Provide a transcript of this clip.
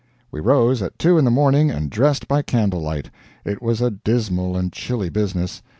We rose at two in the morning and dressed by candle light. It was a dismal and chilly business.